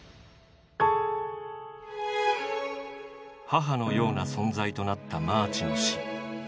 母のような存在となったマーチの死。